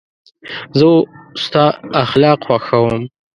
زه ستا اخلاق خوښوم.